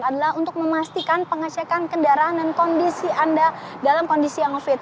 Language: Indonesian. adalah untuk memastikan pengecekan kendaraan dan kondisi anda dalam kondisi yang fit